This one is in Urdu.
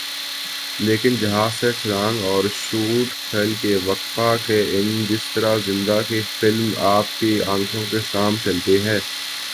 لیکن جہاز سے چھلانگ ر اور شوٹ کھل کے وقفہ کے ان جسطرح زندہ کی فلم آپ کی آنکھوں کے سام چلتی ہے